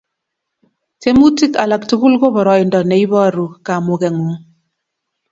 Tiemutik alak tugul ko boroindo ne iporu kamukengung